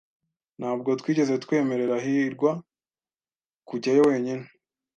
Ntabwo twigeze twemerera hirwa kujyayo wenyine.